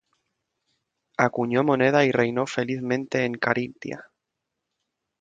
Acuñó moneda y reinó felizmente en Carintia.